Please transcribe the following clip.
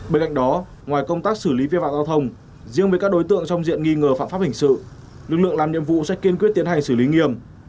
bên cạnh đó ngoài công tác xử lý vi phạm giao thông riêng với các đối tượng trong diện nghi ngờ phạm pháp hình sự lực lượng làm nhiệm vụ sẽ kiên quyết tiến hành xử lý nghiêm